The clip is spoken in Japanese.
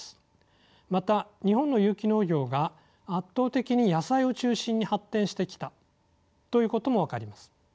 また日本の有機農業が圧倒的に野菜を中心に発展してきたということも分かります。